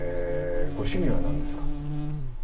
ご趣味は何ですか？